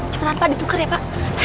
cepetan pak dituker ya pak